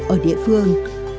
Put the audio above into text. ở địa phương